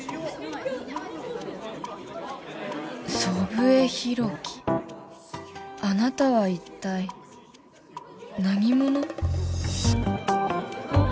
祖父江広樹あなたは一体何者？